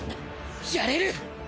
やれる！